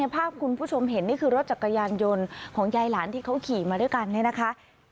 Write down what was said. ภาพคุณผู้ชมเห็นนี่คือรถจักรยานยนต์ของยายหลานที่เขาขี่มาด้วยกันเนี่ยนะคะ